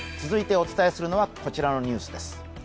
続いてお伝えするのはこちらのニュースです。